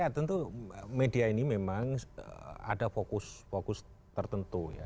ya tentu media ini memang ada fokus fokus tertentu ya